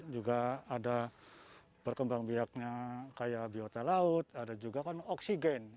juga ada berkembang biaknya kayak biota laut ada juga kan oksigen